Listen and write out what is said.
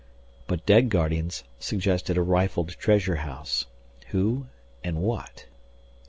But dead guardians suggested a rifled treasure house. Who and what